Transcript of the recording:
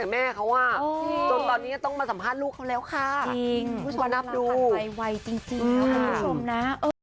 ตัวเราพี่มีต้องมาสัมภาษณ์ลูกเค้าแล้วค่ะยิ่งเป็นอาบดูไว้จริงนะ